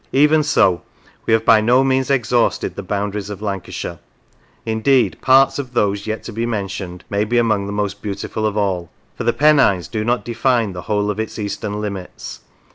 Even so we have by no means exhausted the boun daries of Lancashire; indeed parts of those yet to be mentioned may be among the most beautiful of all. For the Pennines do not define the whole of its eastern limits.